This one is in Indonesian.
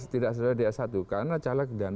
tidak setelah da satu karena caleg dan